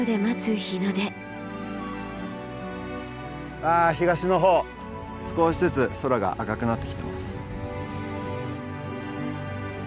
わあ東の方少しずつ空が赤くなってきてます。